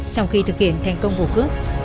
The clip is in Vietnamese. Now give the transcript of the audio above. sau khi thực hiện thành công vụ cướp